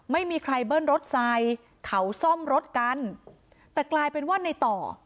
ไม่มีใครเบิ้ลรถใส่เขาซ่อมรถกันแต่กลายเป็นว่าในต่อ